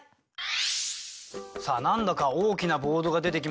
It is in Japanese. さあ何だか大きなボードが出てきましたね。